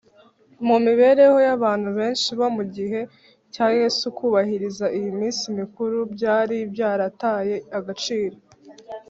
Mu mibereho y’abantu benshi bo mu gihe cya Yesu, kubahiriza iyi minsi mikuru byari byarataye agaciro